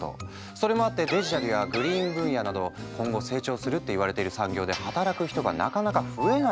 それもあってデジタルやグリーン分野など今後成長するっていわれてる産業で働く人がなかなか増えないんだって。